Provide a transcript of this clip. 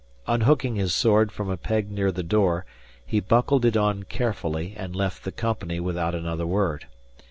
Unhooking his sword from a peg near the door, he buckled it on carefully and left the company without another word.